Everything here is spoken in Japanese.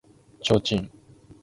提灯